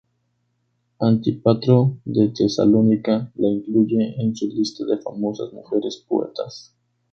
Antípatro de Tesalónica la incluye en su lista de famosas mujeres poetas.